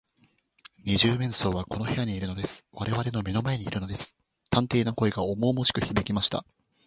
「二十面相はこの部屋にいるのです。われわれの目の前にいるのです」探偵の声がおもおもしくひびきました。